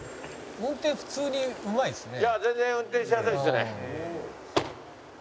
「運転普通にうまいですね」